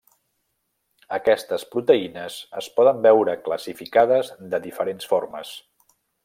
Aquestes proteïnes es poden veure classificades de diferents formes.